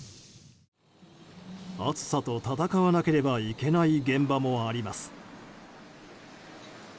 暑さと闘わなければいけない現場もあります。